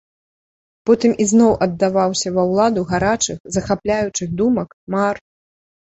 Потым ізноў аддаваўся ва ўладу гарачых, захапляючых думак, мар.